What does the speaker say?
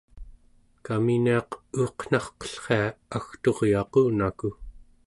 kaminiaq uuqnarqellria agturyaqunaku!